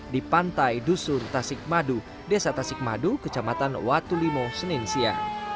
di pantai dusur tasik madu desa tasik madu kecamatan watulimo seninsia